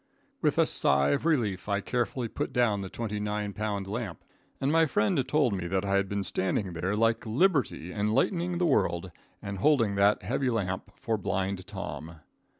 With a sigh of relief I carefully put down the twenty nine pound lamp, and my friend told me that I had been standing there like liberty enlightening the world, and holding that heavy lamp for Blind Tom.